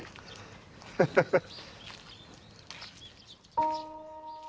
ハハハッ。